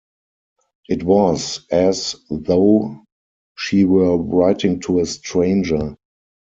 It was as though she were writing to a stranger.